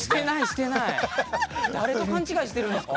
誰と勘違いしてるんですか？